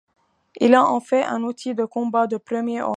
Il en fait un outil de combat de premier ordre.